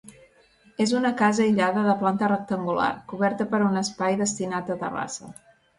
És una casa aïllada de planta rectangular, coberta per un espai destinat a terrassa.